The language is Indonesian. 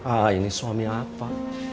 aa ini suami apa